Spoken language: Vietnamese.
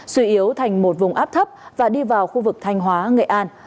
suy yếu thành một vùng áp thấp và đi vào khu vực thanh hóa nghệ an